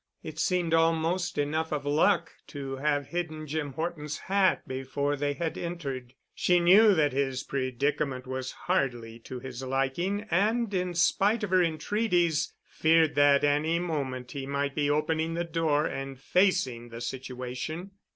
It seemed almost enough of luck to have hidden Jim Horton's hat before they had entered. She knew that his predicament was hardly to his liking and in spite of her entreaties, feared that any moment he might be opening the door and facing the situation.